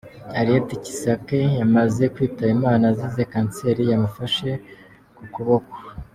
Harriet Kisakye yamaze kwitaba Imana azize cancer yamufashe ku ukuboko.